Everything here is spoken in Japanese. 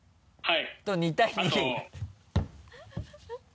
はい。